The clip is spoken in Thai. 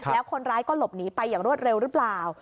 แล้วคนร้ายก็หลบหนีไปอย่างรวดเร็วหรือเปล่า